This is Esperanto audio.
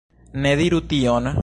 Ne diru tion